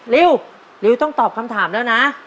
ริวริวต้องตอบคำถามแล้วนะ